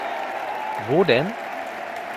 Wo denn?